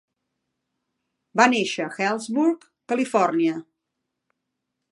Va néixer a Healdsburg, California